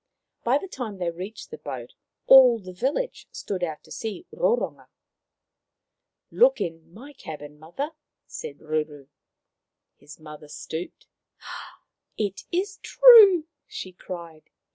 By the time they reached the boat all the village stood about to see Roronga. " Look in my cabin, mother," said Ruru. His mother stooped. " It is true !" she cried.